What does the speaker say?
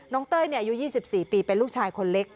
น้องเต้ยเนี่ยอายุยี่สิบสี่ปีเป็นลูกชายคนเล็ก